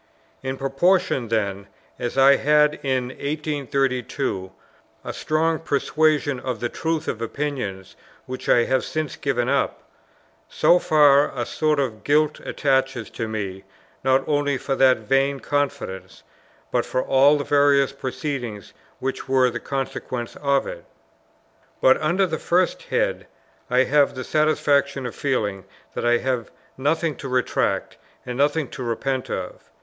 In proportion, then, as I had in 1832 a strong persuasion of the truth of opinions which I have since given up, so far a sort of guilt attaches to me, not only for that vain confidence, but for all the various proceedings which were the consequence of it. But under this first head I have the satisfaction of feeling that I have nothing to retract, and nothing to repent of.